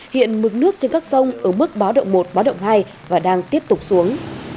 hiện mực nước trên các sông ở mức báo động một báo động hai và đang tiếp tục xuống